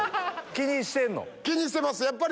気にしてます。